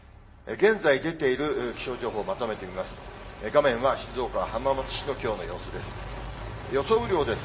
現在出ている気象情報、まとめてみます。